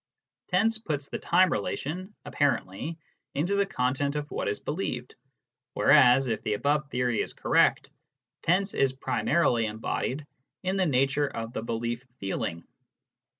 Tense puts the time relation, apparently, into the content of what is believed, whereas, if the above theory is correct, tense is primarily embodied in the nature of the belief feeling.